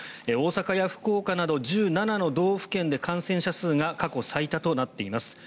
大阪や福岡など１７の道府県で感染者数が過去最多となっています。